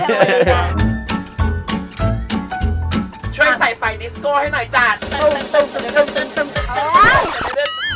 ช่วยใส่ไฟนิสโก้ให้หน่อยจ้ะ